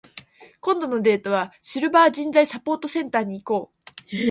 今度のデートは、シルバー人材サポートセンターに行こう。